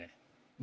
何？